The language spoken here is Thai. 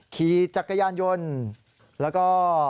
ขี่จักรยานยนต์แล้วก็